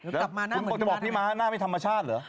หรือกลับมาหน้าเหมือนพี่ม้าจะบอกพี่ม้าหน้าไม่ธรรมชาติเหรอ